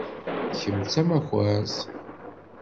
Kemm d tamakart.